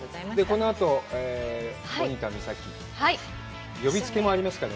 このあと、大仁田美咲、呼びつけもありますから。